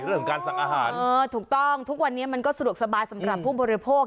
เรื่องการสั่งอาหารถูกต้องทุกวันนี้มันก็สะดวกสบายสำหรับผู้บริโภค